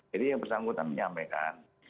jadi yang bersanggup kami nyampaikan